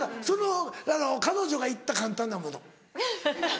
そのあの彼女が言った簡単なもの。